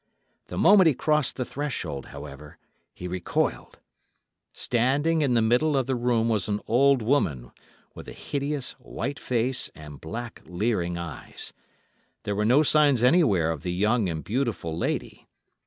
The moment he crossed the threshold, however, he recoiled. Standing in the middle of the room was an old woman with a hideous, white face and black, leering eyes. There were no signs anywhere of the young and beautiful lady.